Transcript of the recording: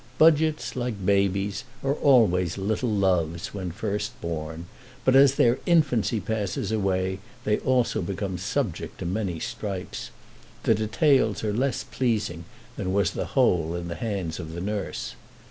Budgets, like babies, are always little loves when first born. But as their infancy passes away, they also become subject to many stripes. The details are less pleasing than was the whole in the hands of the nurse.